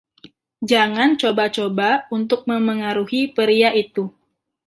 Jangan coba-coba untuk memengaruhi pria itu.